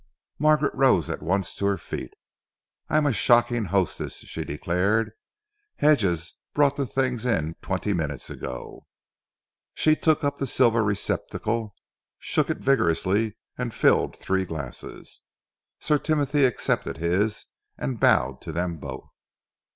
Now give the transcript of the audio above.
Margaret rose at once to her feet. "I am a shocking hostess," she declared. "Hedges brought the things in twenty minutes ago." She took up the silver receptacle, shook it vigorously and filled three glasses. Sir Timothy accepted his and bowed to them both.